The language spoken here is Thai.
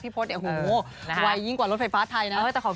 พี่พศโอ้โหไวยิ่งกว่ารถไฟฟ้าไทยนะ